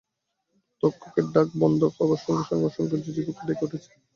তক্ষকের ডাক বন্ধ হবার সঙ্গে-সঙ্গে অসংখ্য ঝিঝিপোকা ডেকে উঠছে।